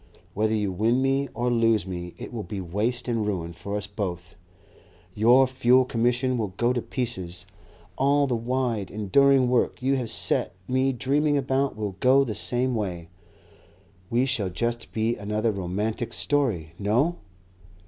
Whether you win me or lose me it will be waste and ruin for us both. Your Fuel Commission will go to pieces, all the wide, enduring work you have set me dreaming about will go the same way. We shall just be another romantic story.... No!"